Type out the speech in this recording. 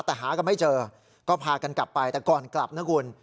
แต่หากันไม่เจอก็พากันกลับไปแต่ก่อนกลับนะคุณ